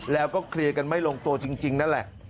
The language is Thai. แล้วก็เคลียร์กันไม่ลงตัวจริงนั่นแหละ